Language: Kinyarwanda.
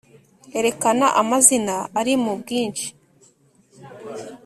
Erekana amazina ari mu bwinshi